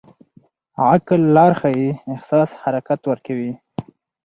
عقل لار ښيي، احساس حرکت ورکوي.